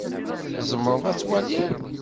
Tzemreḍ ad twaliḍ?